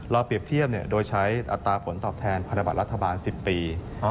เปรียบเทียบโดยใช้อัตราผลตอบแทนพันธบัตรรัฐบาล๑๐ปี